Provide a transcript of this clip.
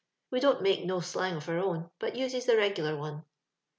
We dont make no dang of onr own, bat naea the regnkr one.